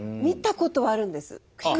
見たことはあるんです。